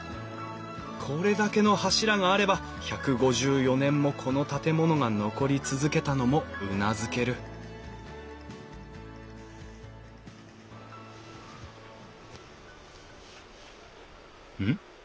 これだけの柱があれば１５４年もこの建物が残り続けたのもうなずけるうん？